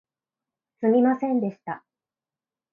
すみませんでした